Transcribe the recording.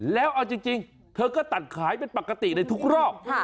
แล้วเอาจริงเธอก็ตัดขายเป็นปกติในทุกรอบ